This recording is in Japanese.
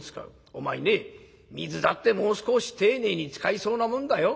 お前ね水だってもう少し丁寧に使いそうなもんだよ。